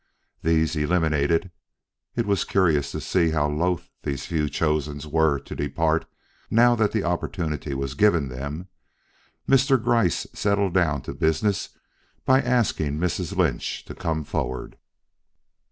These eliminated (it was curious to see how loath these few chosen ones were to depart, now that the opportunity was given them), Mr. Gryce settled down to business by asking Mrs. Lynch to come forward.